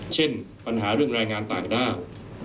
เช่นปัญหาเรื่องแรงงานต่างด้าว